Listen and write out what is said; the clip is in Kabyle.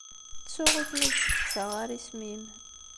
Ttuɣ ur kem-id-steqsaɣ ara isem-im.